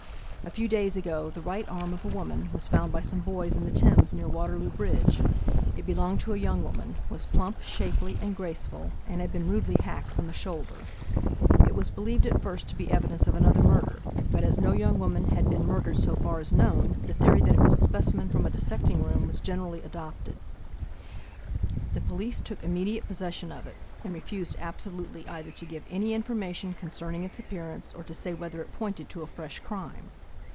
A few days ago the right arm of a woman was found by some boys in the Thames near Waterloo Bridge. It belonged to a young woman, was plump, shapely, and graceful, and had been rudely hacked from the shoulder. It was believed at first to be evidence of another murder, but as no young woman had been murdered, so far as known, the theory that it was a specimen from a dissecting room was generally adopted. Last week, however, another arm, corresponding to it, was found in a yard behind the asylum in Southwark, half a mile from Waterloo Bridge. The police took immediate possession of it, and refused absolutely either to give any information concerning its appearance, or to say whether it pointed to a fresh crime.